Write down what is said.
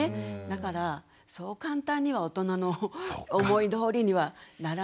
だからそう簡単には大人の思いどおりにはならないですよね。